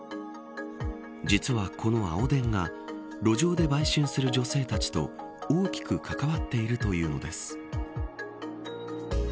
実は、この青伝が路上で売春する女性たちと大きく関わっているというのです。